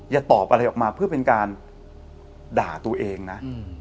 อย่าตอบอะไรออกมาเพื่อเป็นการด่าตัวเองนะ